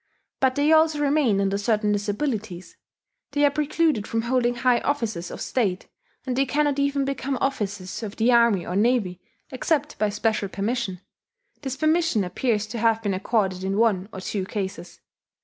But they also remain under certain disabilities: they are precluded from holding high offices of state; and they cannot even become officers of the army or navy except by special permission. (This permission appears to have been accorded in one or two cases.)